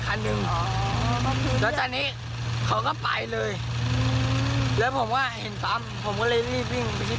วิ่งไปขอความช่วยเหลือที่ปั๊มบอกรถแล้วไม่มีใครจอก